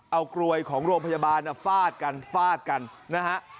เอากลวยของโรงพยาบาลฟาดกันฟาดกันนะฮะ